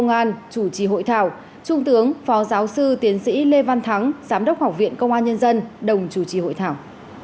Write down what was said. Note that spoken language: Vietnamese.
công an chủ trì hội thảo trung tướng phó giáo sư tiến sĩ lê văn thắng giám đốc học viện công an nhân dân đồng chủ trì hội thảo